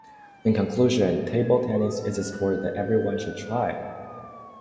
In conclusion, table tennis is a sport that everyone should try.